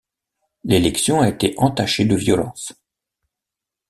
L'élection a été entachée de violences.